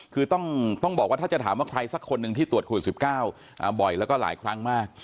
คือต้องบอกว่าถ้าจะถามว่าใครสักคนหนึ่งที่ตรวจโควิด๑๙บ่อยแล้วก็หลายครั้งมาก